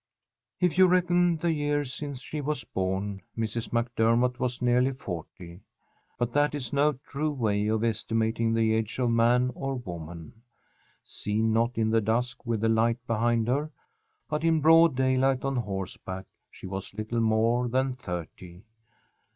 If you reckon the years since she was born, Mrs. MacDermott was nearly forty. But that is no true way of estimating the age of man or woman. Seen, not in the dusk with the light behind her, but in broad daylight on horseback, she was little more than thirty.